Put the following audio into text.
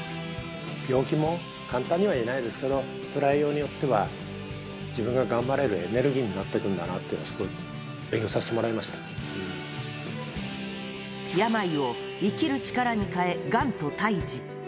病気も簡単には言えないですけど、捉えようによっては、自分が頑張れるエネルギーになっていくんだなっていうのを、病を生きる力に変え、がんと対じ。